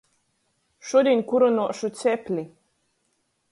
Šudiņ kurynuošu cepli.